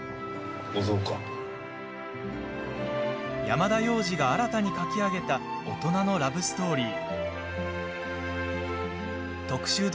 山田洋次が新たに書き上げた大人のラブストーリー。